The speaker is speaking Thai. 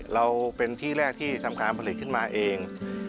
เราเป็นที่แรกที่ทำการผลิตขึ้นมาเอง